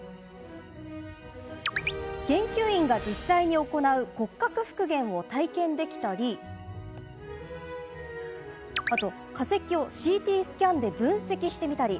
研究員が実際に行う骨格復元を体験できたり化石をＣＴスキャンで分析してみたり。